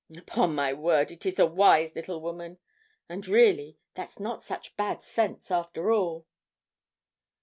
'Upon my word, it is a wise little woman; and really, that's not such bad sense after all.'